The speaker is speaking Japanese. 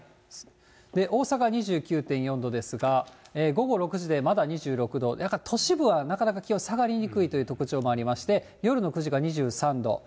大阪２９．４度ですが、午後６時でまだ２６度、都市部はなかなか気温下がりにくいという特徴もありまして、夜の９時が２３度。